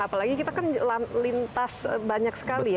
apalagi kita kan lintas banyak sekali ya